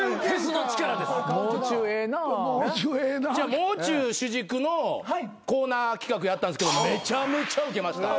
もう中主軸のコーナー企画やったんですけどめちゃめちゃウケました。